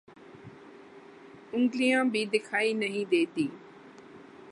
انگلیاں بھی دیکھائی نہیں دیتی